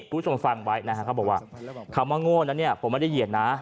คุณผู้ชมฟังไว้นะฮะเขาบอกว่าคำว่าโง่นั้นเนี่ยผมไม่ได้เหยียดนะ